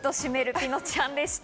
ピノちゃんでした。